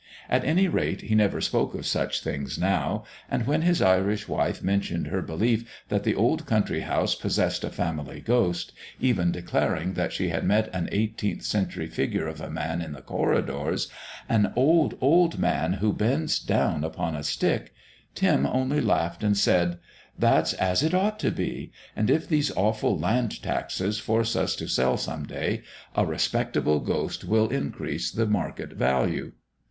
At any rate, he never spoke of such things now, and when his Irish wife mentioned her belief that the old country house possessed a family ghost, even declaring that she had met an Eighteenth Century figure of a man in the corridors, "an old, old man who bends down upon a stick" Tim only laughed and said: "That's as it ought to be! And if these awful land taxes force us to sell some day, a respectable ghost will increase the market value."